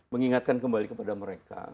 mengingatkan kembali kepada mereka